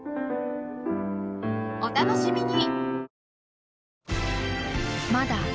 お楽しみに！